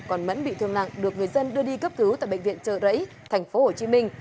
còn mẫn bị thương nặng được người dân đưa đi cấp cứu tại bệnh viện trợ rẫy tp hcm